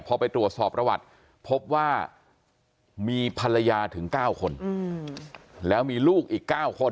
พอไปตรวจสอบประวัติพบว่ามีภรรยาถึง๙คนแล้วมีลูกอีก๙คน